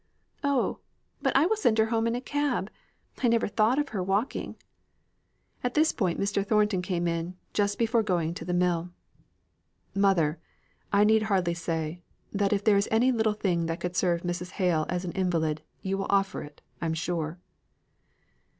"Oh, but I will send her home in a cab. I never thought of her walking." At this point, Mr. Thornton came in, just before going to the mill. "Mother! I need hardly say, that if there is any little thing that could serve Mrs. Hale as an invalid, you will offer it, I'm sure."